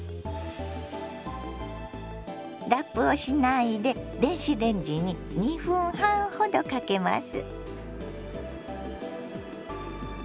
ラップをしないで電子レンジに２分半ほどかけます。